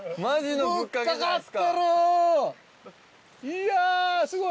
いやすごい！